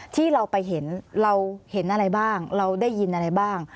ที่เราไปเห็นเราเห็นอะไรบ้างเราได้ยินอะไรบ้าง